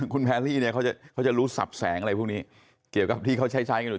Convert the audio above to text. คุณแพรรี่เนี่ยเขาจะรู้สับแสงอะไรพวกนี้เกี่ยวกับที่เขาใช้ใช้กันอยู่